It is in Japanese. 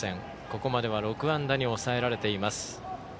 ここまでは６安打に抑えられています。